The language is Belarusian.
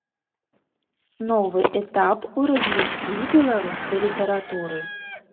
Новы этап у развіцці беларускай літаратуры.